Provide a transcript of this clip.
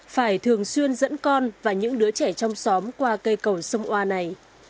phải thường xuyên dẫn con và những đứa trẻ trong xóm qua cây cầu sông oa này